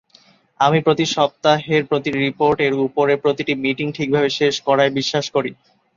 আমি প্রতি সপ্তাহের প্রতিটি রিপোর্ট এর উপরের প্রতিটি মিটিং ঠিকভাবে শেষ করায় বিশ্বাস করি।